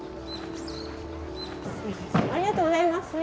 ありがとうございます。